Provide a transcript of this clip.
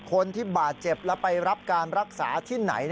คนที่บาดเจ็บแล้วไปรับการรักษาที่ไหน